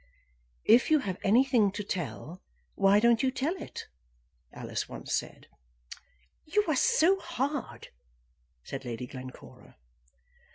"If you have anything to tell, why don't you tell it?" Alice once said. "You are so hard," said Lady Glencora.